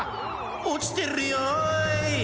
「おちてるよい！」